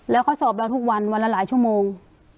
แล้วเขาสอบเราทุกวันวันละหลายชั่วโมง